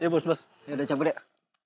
iya bos yaudah cabut deh